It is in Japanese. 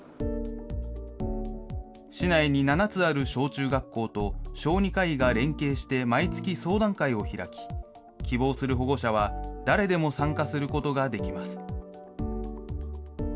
市内に７つある小中学校と小児科医が連携して毎月相談会を開き、希望する保護者は誰でも参加することができます。